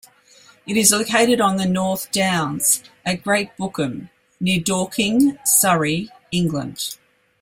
It is located on the North Downs at Great Bookham, near Dorking, Surrey, England.